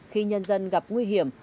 khi nhân dân gặp nguy hiểm